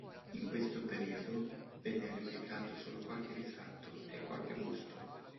In questo periodo venne replicato solo qualche ritratto e qualche busto.